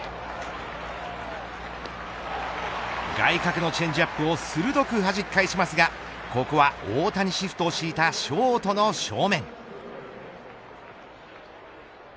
内角のチェンジアップを鋭く弾き返しますがここは大谷シフトを敷いたショートの正面。